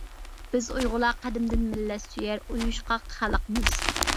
بىز ئۇيغۇرلار قەدىمدىن مىللەت سۆيەر، ئۇيۇشقاق خەلقمىز.